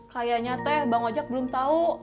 kayaknya teh bang ojek belum tahu